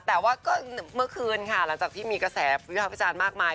แต่ว่าก็เมื่อคืนค่ะหลังจากที่มีกระแสวิภาพวิจารณ์มากมาย